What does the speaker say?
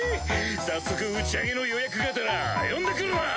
早速打ち上げの予約がてら呼んでくるわ。